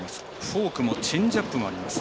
フォークもチェンジアップもあります。